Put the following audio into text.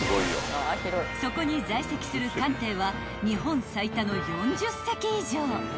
そこに在籍する艦艇は日本最多の４０隻以上］